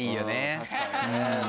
確かにね。